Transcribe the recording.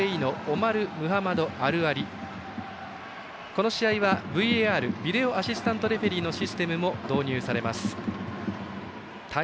この試合はＶＡＲ＝ビデオアシスタントレフェリーも導入されます。